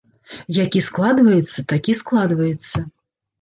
Які складваецца, такі складваецца.